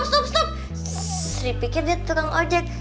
saya pikir dia tukang ojeng